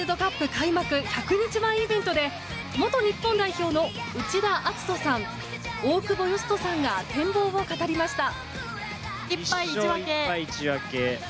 開幕１００日前イベントで元日本代表の内田篤人さん大久保嘉人さんが展望を語りました。